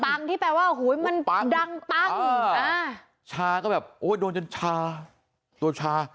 ที่แปลว่าหูยมันดังปั้งชาก็แบบโอ้ยโดนจนชาตัวชา